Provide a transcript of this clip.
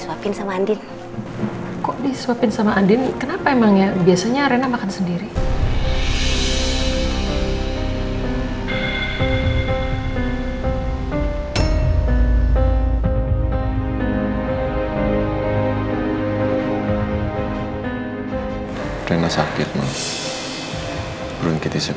masalah ini juga sangat sangat urgent untuk kami